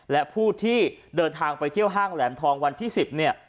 และผู้ที่เดินทางไปเที่ยวห้างแหลมทองวันที่๑๐เนี่ย